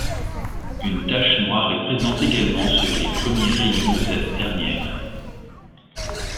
Une tache noire est présente également sur les premiers rayons de cette dernière.